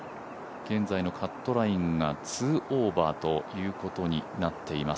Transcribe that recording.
現在のカットラインが２オーバーということになっています。